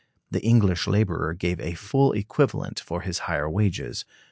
The English laborer gave a full equivalent for his higher wages.